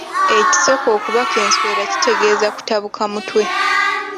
Ekisoko okubaka enswera kitegeeza kutabuka mutwe.